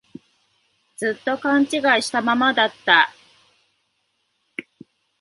ずっと勘違いしたままだった